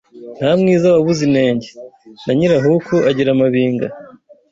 Nta mwiza wabuze inenge, na Nyirahuku agira amabinga